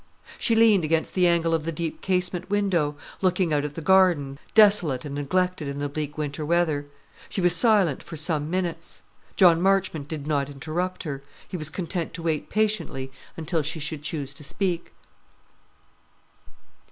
She leaned against the angle of the deep casement window, looking out at the garden, desolate and neglected in the bleak winter weather. She was silent for some minutes. John Marchmont did not interrupt her; he was content to wait patiently until she should choose to speak.